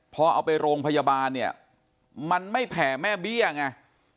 พอเอาไปโรงพยาบาลเนี่ยมันไม่แผ่แม่เบี้ยไง